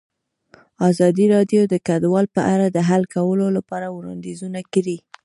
ازادي راډیو د کډوال په اړه د حل کولو لپاره وړاندیزونه کړي.